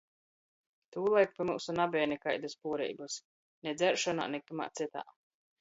Tūlaik pi myusu nabeja nikaidys puoreibys –ni dzeršonā, ni kimā cytā.